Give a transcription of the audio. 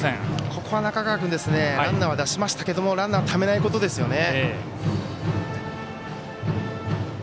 ここは中川君ランナーを出しましたけどランナーためないことですよね。